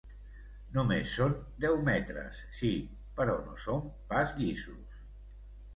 Només són deu metres, sí, però no són pas llisos.